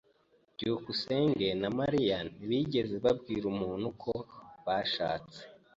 byukusenge na Mariya ntibigeze babwira umuntu ko bashatse.